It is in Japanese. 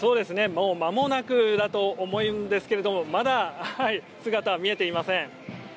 もうまもなくだと思うんですけれどもまだ姿は見えていません。